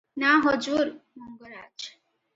"ନା ହଜୁର! ମଙ୍ଗରାଜ ।"